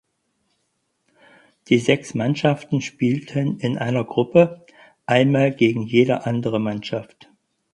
Die sechs Mannschaften spielten in einer Gruppe einmal gegen jede andere Mannschaft.